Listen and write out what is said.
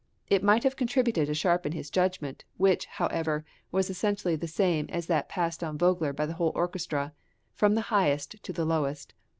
It might have contributed to sharpen his judgment, which, however, was essentially the same as that passed on Vogler by the whole orchestra, "from the highest to the lowest."